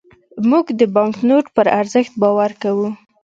موږ د بانکنوټ پر ارزښت باور کوو.